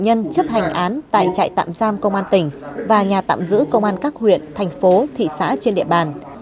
công an tỉnh nghệ an đã chấp hành án tại trại tạm giam công an tỉnh và nhà tạm giữ công an các huyện thành phố thị xã trên địa bàn